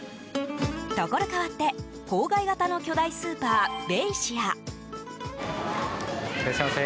ところ変わって郊外型の巨大スーパーベイシア。